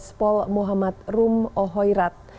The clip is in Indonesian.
dan bespol muhammad rum ohoyrat